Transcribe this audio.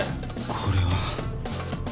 これは。